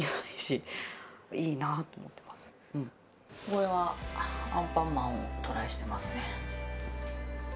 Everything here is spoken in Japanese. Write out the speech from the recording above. これはアンパンマンをトライしてますね。